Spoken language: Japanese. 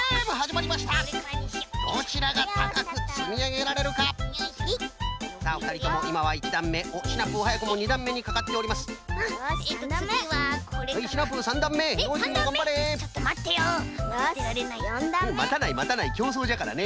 またないまたないきょうそうじゃからね。